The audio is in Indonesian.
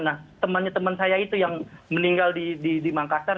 nah temannya teman saya itu yang meninggal di makassar